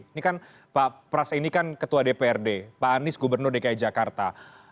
ini kan pak pras ini kan ketua dprd pak anies gubernur dki jakarta